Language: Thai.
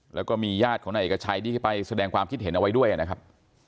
แล้วก็มีญาติของนายเอกชัยที่ไปแสดงความคิดเห็นเอาไว้ด้วยนะครับ